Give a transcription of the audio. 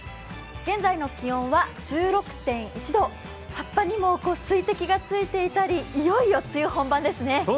現在の気温は１６．１度葉っぱにも水滴がついていたり、いよいよ梅雨本番ですね。